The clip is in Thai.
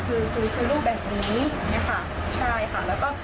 คือรูปแบบนี้นะคะ